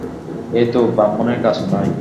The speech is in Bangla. এ তো ব্রাহ্মণের কাজ নয়।